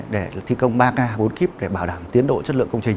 để thi công ba k bốn kip để bảo đảm tiến độ chất lượng công trình